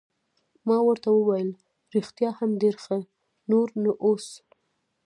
ما ورته وویل: رښتیا هم ډېر ښه، نور نو اوس.